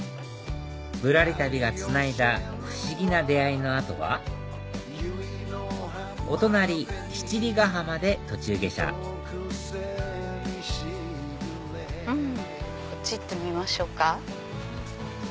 『ぶらり旅』がつないだ不思議な出会いの後はお隣七里ヶ浜で途中下車こっち行ってみましょうか。